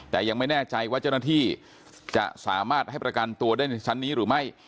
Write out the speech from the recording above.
แต่ยังไม่แน่ใจว่าเจ้าหน้าที่จะสามารถให้ประกันตัวได้ในชั้นนี้หรือไม่